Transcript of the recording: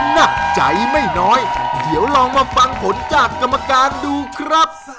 หนักใจไม่น้อยเดี๋ยวลองมาฟังผลจากกรรมการดูครับ